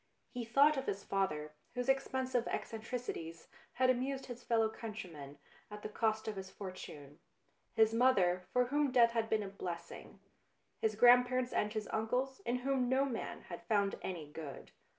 He thought of his father, whose expensive eccen tricities had amused his fellow countrymen at the cost of his fortune ; his mother, for whom death had been a blessing; his grandparents and his uncles, in whom no man had found any good.